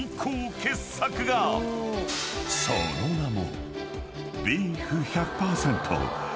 ［その名も］